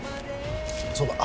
そうだ